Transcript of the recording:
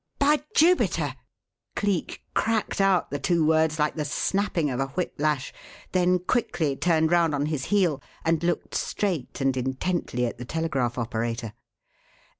"By Jupiter!" Cleek cracked out the two words like the snapping of a whip lash, then quickly turned round on his heel and looked straight and intently at the telegraph operator.